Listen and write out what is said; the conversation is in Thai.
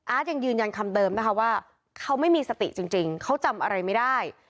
ยังยืนยันคำเดิมนะคะว่าเขาไม่มีสติจริงเขาจำอะไรไม่ได้